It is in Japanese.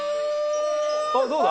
あっどうだ？